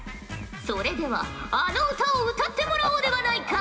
それではあの歌を歌ってもらおうではないか。